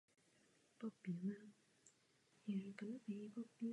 Na plážích Středozemního moře se předpokládal vznik turistického průmyslu.